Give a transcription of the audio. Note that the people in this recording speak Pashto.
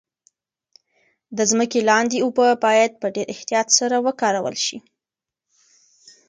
د ځمکې لاندې اوبه باید په ډیر احتیاط سره وکارول شي.